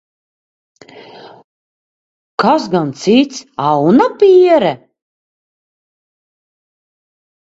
Kas gan cits, aunapiere?